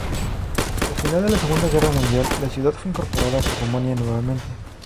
Al final de la Segunda Guerra Mundial, la ciudad fue incorporada por Rumania nuevamente.